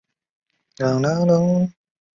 缓起诉处分。